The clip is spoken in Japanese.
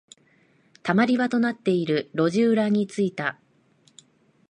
溜まり場となっている路地裏に着いた。